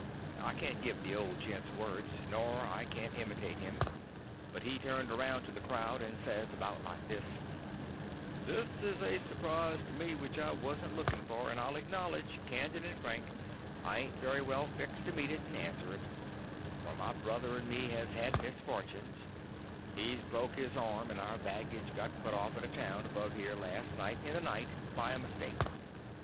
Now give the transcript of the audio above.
I can't give the old gent's words, nor I can't imitate him; but he turned around to the crowd, and says, about like this: "This is a surprise to me which I wasn't looking for; and I'll acknowledge, candid and frank, I ain't very well fixed to meet it and answer it; for my brother and me has had misfortunes; he's broke his arm, and our baggage got put off at a town above here last night in the night by a mistake.